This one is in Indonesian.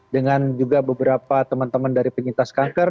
dengan juga beberapa teman teman dari penyintas kanker